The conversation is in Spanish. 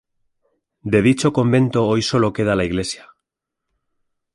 De dicho convento hoy solo queda la iglesia.